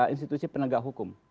institusi penegak hukum